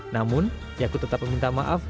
namun yaakut tetap meminta maaf